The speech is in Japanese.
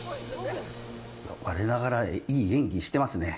我ながらいい演技してますね。